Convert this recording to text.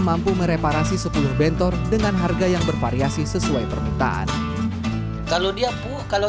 mampu mereparasi sepuluh bentor dengan harga yang bervariasi sesuai permintaan kalau dia puh kalau